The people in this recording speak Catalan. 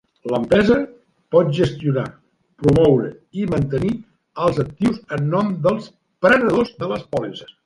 L'empresa pot gestionar, promoure i mantenir els actius en nom dels prenedors de les pòlisses.